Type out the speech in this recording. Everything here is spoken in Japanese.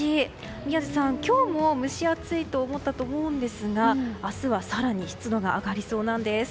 宮司さん、今日も蒸し暑いと思ったと思いますが明日は更に湿度が上がりそうなんです。